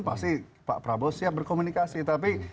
pasti pak prabowo siap berkomunikasi tapi